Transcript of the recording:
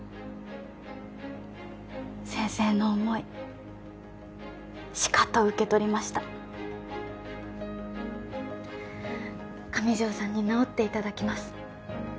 先生の思いしかと受け取りました上条さんに治っていただきます